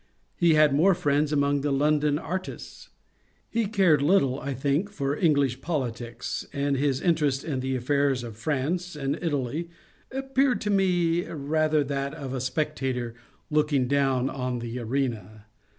He had more friends among the London artists. He cared little, I think, for English politics, and his interest in the affairs of France and Italy appeared to me rather that of a spectator looking down on the arena.